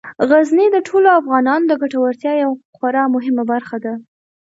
غزني د ټولو افغانانو د ګټورتیا یوه خورا مهمه برخه ده.